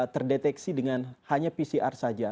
terdeteksi dengan hanya pcr saja